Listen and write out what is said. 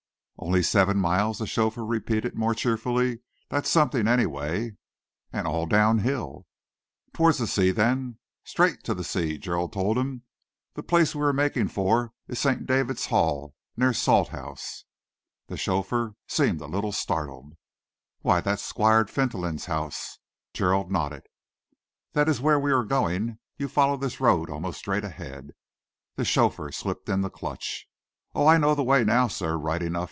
"Only seven miles," the chauffeur repeated more cheerfully. "That's something, anyway." "And all downhill." "Towards the sea, then?" "Straight to the sea," Gerald told him. "The place we are making for is St. David's Hall, near Salthouse." The chauffeur seemed a little startled. "Why, that's Squire Fentolin's house!" Gerald nodded. "That is where we are going. You follow this road almost straight ahead." The chauffeur slipped in the clutch. "Oh, I know the way now, sir, right enough!"